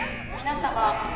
皆様